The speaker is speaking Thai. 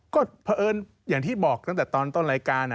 ก็เพราะเอิญอย่างที่บอกตั้งแต่ตอนต้นรายการ